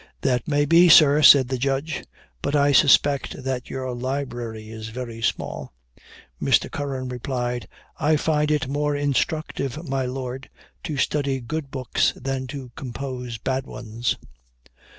"That may be, sir," said the Judge; "but I suspect that your library is very small." Mr. Curran replied, "I find it more instructive, my Lord, to study good works than to compose bad ones.